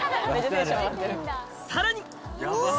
さらに！